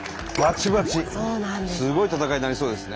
すごい戦いになりそうですね。